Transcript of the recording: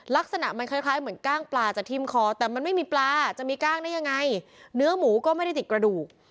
ลักษณะมันคล้ายเหมือนกล้างปลาจะทิ้มคอแต่มันไม่มีปลาจะมีกล้างได้ยังไงเนื้อหมูก็ไม่ได้ติดกระดูก